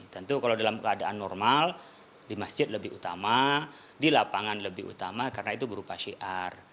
tentu kalau dalam keadaan normal di masjid lebih utama di lapangan lebih utama karena itu berupa syiar